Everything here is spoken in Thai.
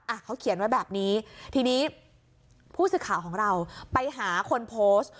เขาเขียนไว้แบบนี้ทีนี้ผู้สื่อข่าวของเราไปหาคนโพสต์